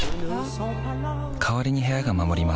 代わりに部屋が守ります